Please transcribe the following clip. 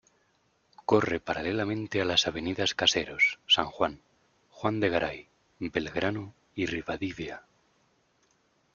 Corre paralelamente a las avenidas Caseros, San Juan; Juan de Garay, Belgrano y Rivadavia.